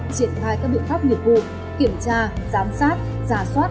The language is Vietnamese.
triển khai các biện pháp nghiệp vụ kiểm tra giám sát giả soát